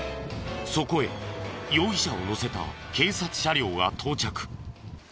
そこへ容疑者を乗せた警察車両が到着。